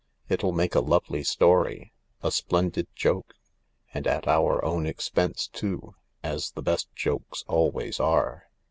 It'll make a lovely story— a splendid joke, and at our own expense too, as the best jokes always are.